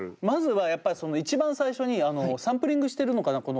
まずはやっぱ一番最初にサンプリングしてるのかな？